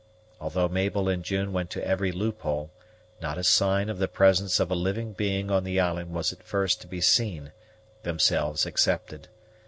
Although Mabel and June went to every loophole, not a sign of the presence of a living being on the island was at first to be seen, themselves excepted.